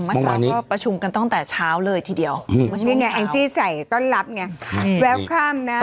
มาสร้างก็ประชุมกันตั้งแต่เช้าเลยทีเดียวนี่ไงแองจิใส่ต้อนรับเนี่ย